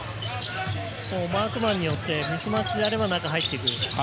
マークマンによって、ミスマッチであれば中に入ってくる。